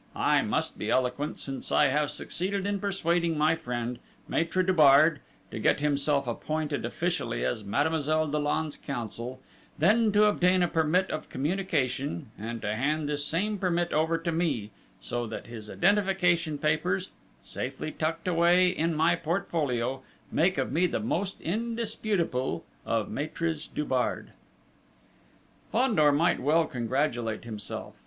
I must be eloquent, since I have succeeded in persuading my friend, Maître Dubard, to get himself appointed officially as Mademoiselle Dollon's counsel; then to obtain a permit of communication, and to hand this same permit over to me, so that his identification papers, safely tucked away in my portfolio, make of me the most indisputable of Maîtres Dubard!" Fandor might well congratulate himself!